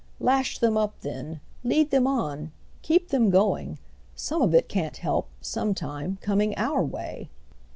Lash them up then, lead them on, keep them going: some of it can't help, some time, coming our way."